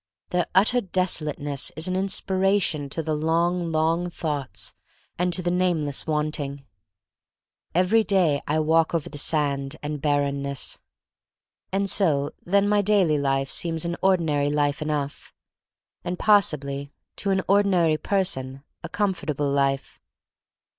Their utter desolateness is an inspiration to the long, long thoughts and to the nameless THE STORY OF MARY MAC LANE II wanting. Every day I walk over the sand and barrenness. And so, then, my daily life seems an ordinary life enough, and possibly, to an ordinary person, a comfortable life.